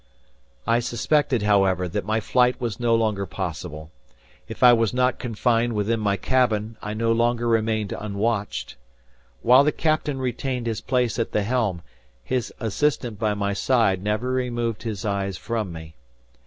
I suspected, however, that my flight was no longer possible. If I was not confined within my cabin, I no longer remained unwatched. While the captain retained his place at the helm, his assistant by my side never removed his eyes from me.